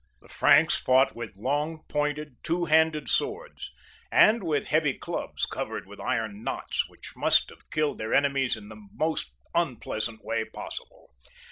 The Franks fought with long pointed, two handed swords, and with heavy clubs, covered with iron knots, which must have killed their enemies in the most unpleasant way possible.